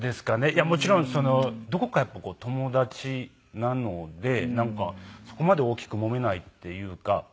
いやもちろんそのどこかやっぱり友達なのでなんかそこまで大きくもめないっていうか。